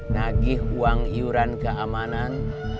nagih uang iuran keamanan